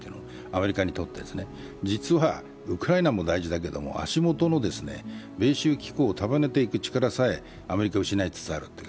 実はウクライナも大事だけども、足元の米州機構を束ねていく力さえアメリカは失いつつある。